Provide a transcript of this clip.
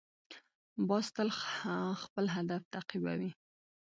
باز تل خپل هدف تعقیبوي